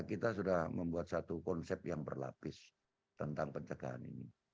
kita sudah membuat satu konsep yang berlapis tentang pencegahan ini